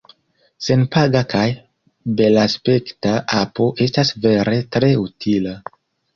Senpaga kaj belaspekta apo estas vere tre utila.